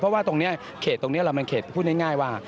เพราะว่าตรงนี้เขตตรงนี้เราเป็นเขตพูดง่ายว่า